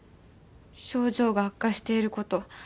症状が悪化していること